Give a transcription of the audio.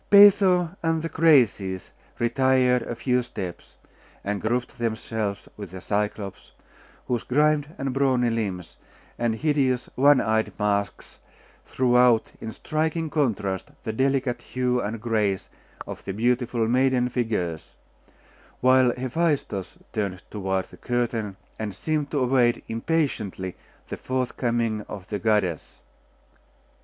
Peitho and the Graces retired a few steps, and grouped themselves with the Cyclops, whose grimed and brawny limbs, and hideous one eyed masks, threw out in striking contrast the delicate hue and grace of the beautiful maiden figures; while Hephaestus turned toward the curtain, and seemed to await impatiently the forthcoming of the goddess.